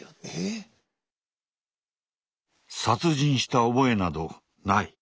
殺人した覚えなどない。